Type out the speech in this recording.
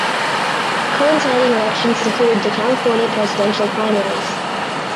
Coinciding elections included the California presidential primaries.